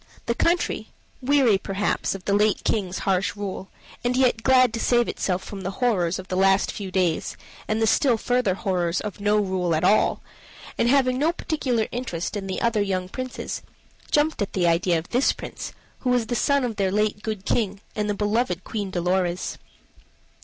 The country, weary perhaps of the late King's harsh rule, and yet glad to save itself from the horrors of the last few days, and the still further horrors of no rule at all, and having no particular interest in the other young princes, jumped at the idea of this Prince, who was the son of their late good King and the beloved Queen Dolorez.